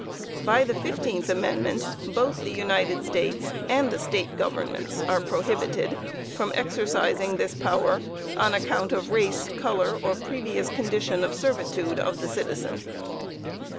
By the fifteenth amendment both the United States and the State governments, are prohibited from exercising this power, "on account of race, color, or previous condition of servitude" of the citizen.